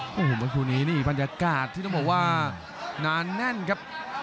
โอ้โหเมื่อครูนี้นี่บรรยากาศที่ต้องบอกว่านานแน่นครับ